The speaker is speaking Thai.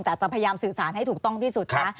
แต่จะพยายามสื่อสารให้ถูกต้องที่สุดคะ